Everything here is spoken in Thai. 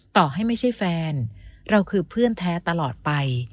ต่อให้ไม่ใช่แฟนเราคือเพื่อนแท้ตลอดไป